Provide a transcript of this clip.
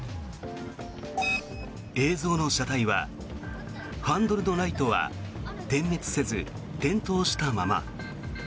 映像の車体はハンドルのライトは点滅せず点灯したまま。